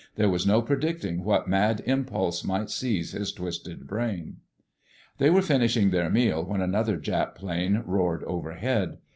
There was no predicting what mad impulse might seize his twisted brain. They were finishing their meal when another Jap plane roared overhead.